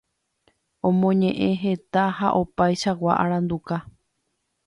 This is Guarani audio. Omoñeʼẽ heta ha opaichagua aranduka.